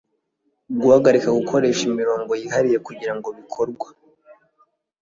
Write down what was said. guhagarika gukoresha imirongo yihariye kugira ngo bikorwa